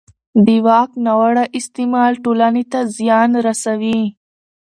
د واک ناوړه استعمال ټولنې ته زیان رسوي